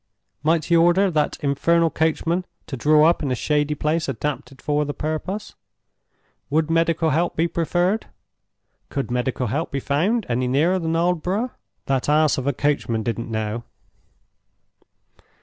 Might he order that infernal coachman to draw up in a shady place adapted for the purpose? Would medical help be preferred? Could medical help be found any nearer than Aldborough? That ass of a coachman didn't know.